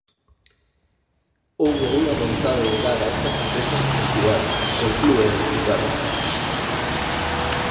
Houbo unha vontade de dar a estas empresas o festival, conclúe a deputada.